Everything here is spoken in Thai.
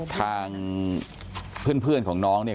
ทางเพื่อนของน้องเนี่ย